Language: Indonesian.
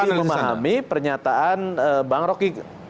saya lebih memahami pernyataan bang roky